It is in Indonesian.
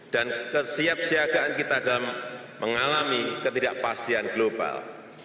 dan kesiapsiagaan kita dalam mengalami ketidakpastian global